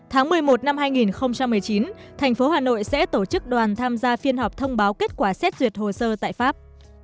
tháng một mươi một năm hai nghìn một mươi chín thành phố hà nội sẽ tổ chức đoàn tham gia phiên họp thông báo kết quả xét duyệt hồ sơ tại pháp